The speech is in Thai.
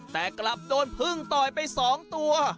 แต่กลับโดนพึ่งต่อยไป๒ตัว